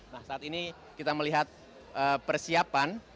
nah saat ini kita melihat persiapan